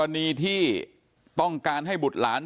ที่ต้องการให้บุตรหลาน